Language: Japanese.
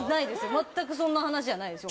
全くそんな話じゃないですよ。